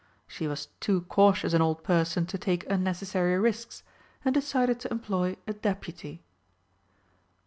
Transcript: She was too cautious an old person to take unnecessary risks, and decided to employ a deputy.